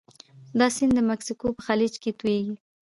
دا سیند د مکسیکو په خلیج کې تویږي.